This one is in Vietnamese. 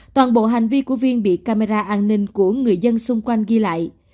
toàn bộ hành vi của viên bị camera an ninh của người dân xung quanh ghi lại